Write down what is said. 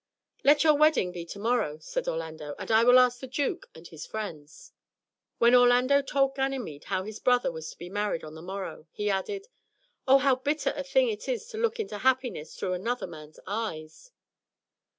"Let your wedding be to morrow," said Orlando, "and I will ask the duke and his friends." When Orlando told Ganymede how his brother was to be married on the morrow, he added: "Oh, how bitter a thing it is to look into happiness through another man's eyes."